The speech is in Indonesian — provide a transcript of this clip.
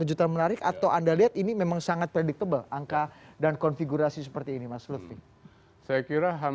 ya partai yang umum